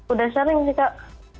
udah sering sih kak